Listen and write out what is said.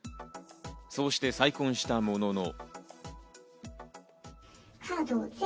そうして再婚したものの。